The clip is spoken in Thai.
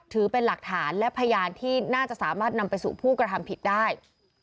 ถือเป็นหลักฐานและพยานที่น่าจะสามารถนำไปสู่ผู้กระทำผิดได้